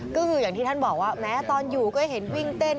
ก็คืออย่างที่ท่านบอกว่าแม้ตอนอยู่ก็เห็นวิ่งเต้น